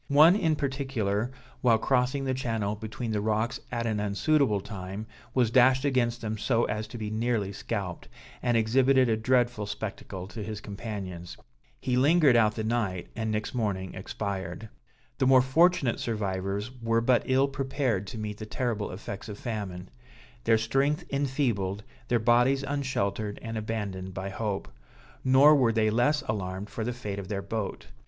One in particular, while crossing the channel between the rocks at an unsuitable time, was dashed against them so as to be nearly scalped, and exhibited a dreadful spectacle to his companions. He lingered out the night, and next morning expired. The more fortunate survivors were but ill prepared to meet the terrible effects of famine; their strength enfeebled, their bodies unsheltered and abandoned by hope. Nor were they less alarmed for the fate of their boat.